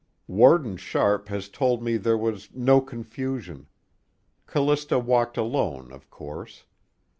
Warden Sharpe has told me there was "no confusion." Callista walked alone of course.